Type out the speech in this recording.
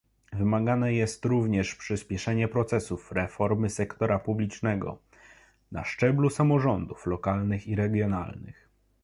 Wymagane jest również przyspieszenie procesu reformy sektora publicznego na szczeblu samorządów lokalnych i regionalnych